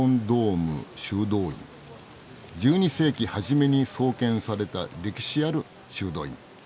１２世紀初めに創建された歴史ある修道院。